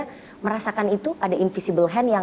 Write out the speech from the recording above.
sebagai politisi anda merasakan itu ada invisible hand yang